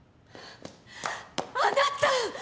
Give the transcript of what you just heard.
あなた！